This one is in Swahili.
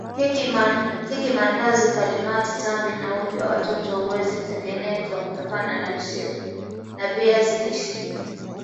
Keki Maandazi Kalimati tambi na uji wa watoto huweza kutengenezwa kutokana na viazi lishe